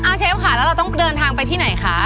เชฟค่ะแล้วเราต้องเดินทางไปที่ไหนคะ